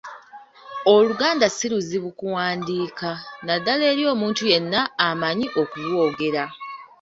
Oluganda si luzibu kuwandiika, naddala eri omuntu yenna amanyi okulwogera.